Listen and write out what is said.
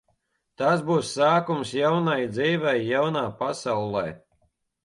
Tas būs sākums jaunai dzīvei jaunā pasaulē.